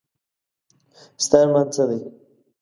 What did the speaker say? ستا ارمان څه دی ؟